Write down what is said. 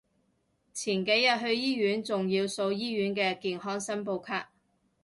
前幾日去醫院仲要掃醫院嘅健康申報卡